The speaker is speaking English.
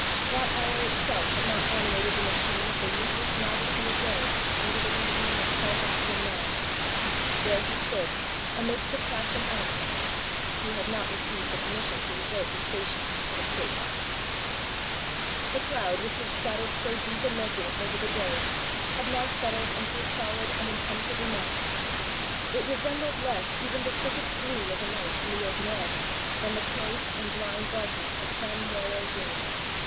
That hour itself had not animated the machine of the ruthless majesty of Rome into the reasoning and self acting man. There he stood, amidst the crashing 445 ROME elements: he had not received the pennission to desert his station and escape. The cloud, which had scattered so deep a murkiness over the day, had now settled into a solid and impene trable mass. It resembled less even the thickest gloom of a night in the open air than the close and bhnd dark ness of some narrow room.